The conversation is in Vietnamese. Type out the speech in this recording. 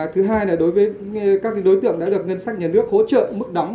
thứ hai là đối với các đối tượng đã được ngân sách nhà nước hỗ trợ mức đóng